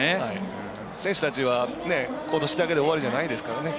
選手たちはことしだけで終わりじゃないですからね。